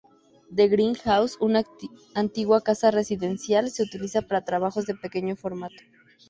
The Green House, una antigua casa residencial, se utiliza para trabajos de pequeño formato.